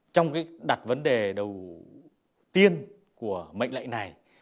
trong đặt vấn đề đầu tiên của mệnh lệ này